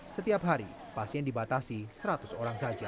setiap hari pasien dibatasi seratus orang saja